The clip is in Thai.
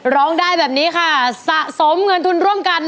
ร้องได้แบบนี้ค่ะสะสมเงินทุนร่วมกัน